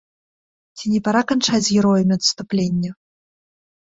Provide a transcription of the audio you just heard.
Ці не пара канчаць з героямі адступлення?